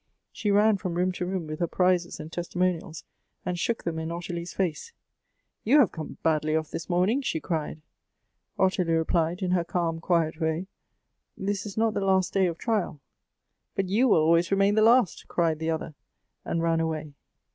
She ran from room to room with her prizes and testimonials, and shook them in Ottilie's face. ' You have come badly off this morning,' she cried. Ottilie replied in her calm, quiet way, ' This is not the last day of trial.' —' But you will always remain the last,' cried the other, and ran aw.ay.